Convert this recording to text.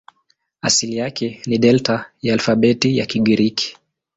Asili yake ni Delta ya alfabeti ya Kigiriki.